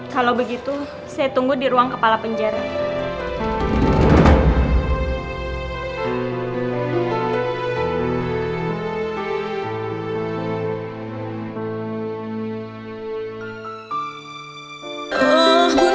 kalau begitu saya tunggu di ruang kepala penjara